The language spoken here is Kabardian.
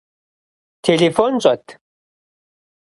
Телефон щӏэт?